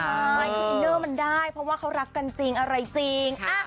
ใช่ฮาสมือเห็นมันได้เพราะว่ารักกันจริงอะไรจริง